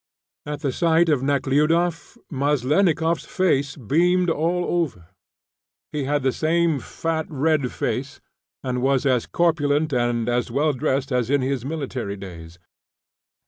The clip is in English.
At the sight of Nekhludoff Maslennikoff's face beamed all over. He had the same fat red face, and was as corpulent and as well dressed as in his military days.